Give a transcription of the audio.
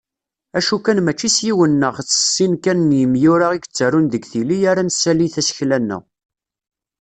Acu kan mačči s yiwen neɣ s sin kan n yimyura i yettarun deg tili ara nessali tasekla-nneɣ